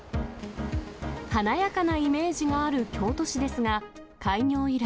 華やかなイメージがある京都市ですが、開業以来、